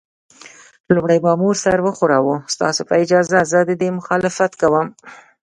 لومړي مامور سر وښوراوه: ستاسو په اجازه، زه د دې مخالفت کوم.